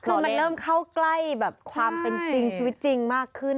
คือมันเริ่มเข้าใกล้แบบความเป็นจริงชีวิตจริงมากขึ้น